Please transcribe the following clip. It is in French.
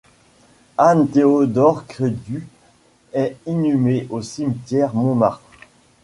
Anne-Théodore Crétu est inhumé au cimetière Montmartre.